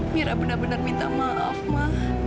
mira benar benar minta maaf mah